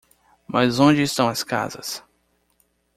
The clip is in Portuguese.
Mas onde estão as casas?